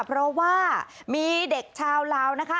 เพราะว่ามีเด็กชาวลาวนะคะ